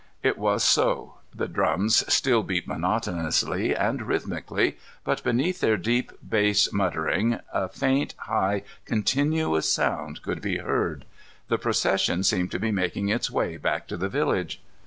It was so. The drums still beat monotonously and rhythmically, but beneath their deep bass muttering, a faint, high, continuous sound could be heard. The procession seemed to be making its way back to the village.